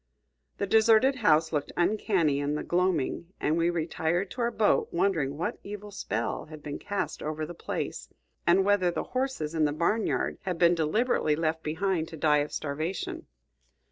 The deserted house looked uncanny in the gloaming, and we retired to our boat wondering what evil spell had been cast over the place, and whether the horses in the barn yard had been deliberately left behind to die of starvation.